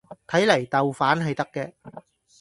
睇嚟豆瓣係得嘅